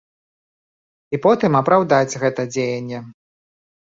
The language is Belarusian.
І потым апраўдаць гэта дзеянне.